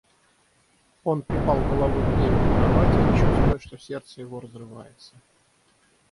Он припал головой к дереву кровати, чувствуя, что сердце его разрывается.